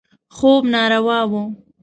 خوب ناروا و.